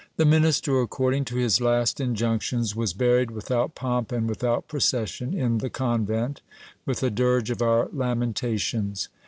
The minister, according to his last injunctions, was buried without pomp and without procession in the convent, with a dirge of our lamentations.